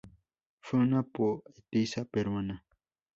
Fue una poetisa peruana.